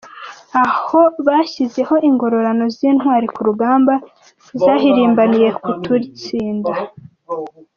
Aho bashyizeho ingororano z’intwari ku rugamba zahirimbaniye kututsinda.